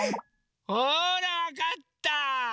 ほらわかった！